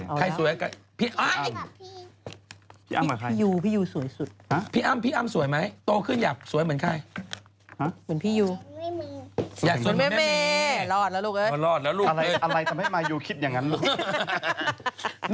เอสุภาชัยรู้จักพี่เอสุภาชัยไหมมายูรู้จักไหม